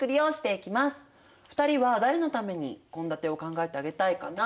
２人は誰のために献立を考えてあげたいかな？